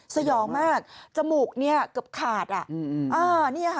สยองมากจมูกเนี่ยเกือบขาดอ่ะอืมอืมอ่าเนี่ยค่ะ